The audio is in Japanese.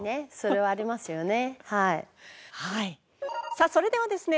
さあそれではですね